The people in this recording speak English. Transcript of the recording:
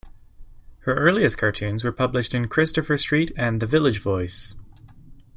Her earliest cartoons were published in "Christopher Street" and "The Village Voice".